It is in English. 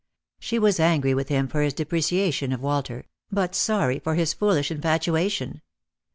She was angry with him for his depreciation of Walter, but sorry for his foolish infatuation.